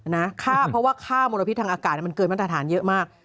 ค่าเพราะว่าค่ามลพิษทางอากาศมันเกินมาตรฐานเยอะมาก